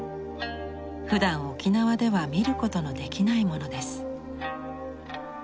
ふだん沖縄では見ることのできないものです。